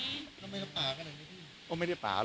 ของขวัญรับปริญญา